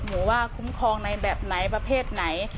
หรือว่าคุ้มครองในแบบไหนประเภทไหน